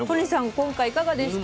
今回いかがでした？